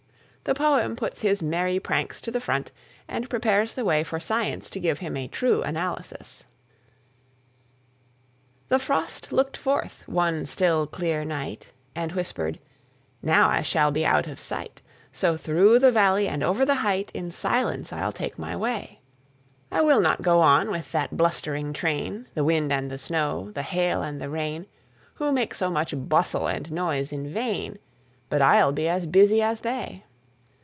The poem puts his merry pranks to the front and prepares the way for science to give him a true analysis. The Frost looked forth, one still, clear night, And whispered, "Now I shall be out of sight; So through the valley and over the height, In silence I'll take my way: I will not go on with that blustering train, The wind and the snow, the hail and the rain, Who make so much bustle and noise in vain, But I'll be as busy as they."